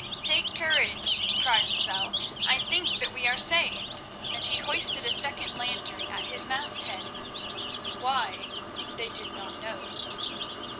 "Take courage," cried Lozelle, "I think that we are saved," and he hoisted a second lantern at his masthead—why, they did not know.